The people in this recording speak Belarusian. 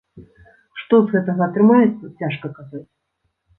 Што з гэтага атрымаецца, цяжка казаць.